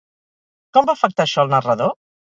Com va afectar això al narrador?